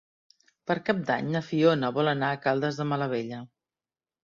Per Cap d'Any na Fiona vol anar a Caldes de Malavella.